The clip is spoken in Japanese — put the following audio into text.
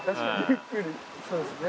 そうですよね